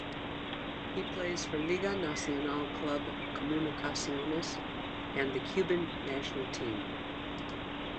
He plays for Liga Nacional club Comunicaciones and the Cuban national team.